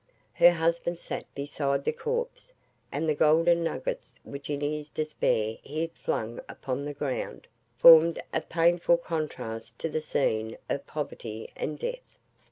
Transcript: Her husband sat beside the corpse, and the golden nuggets, which in his despair he had flung upon the ground, formed a painful contrast to the scene of poverty and death.